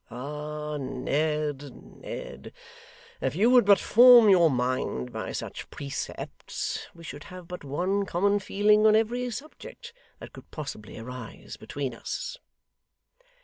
Ah Ned, Ned, if you would but form your mind by such precepts, we should have but one common feeling on every subject that could possibly arise between us!